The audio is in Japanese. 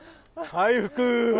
回復。